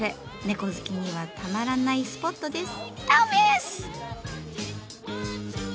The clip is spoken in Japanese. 猫好きにはたまらないスポットです。